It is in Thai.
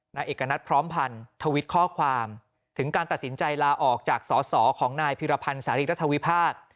นายเอกณัฐพร้อมพันธ์ทวิตข้อความถึงการตัดสินใจลาออกจากสอสอของนายพิรพันธ์สารีรัฐวิพากษ์